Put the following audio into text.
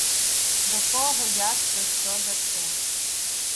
До кого, як, про що, за чим.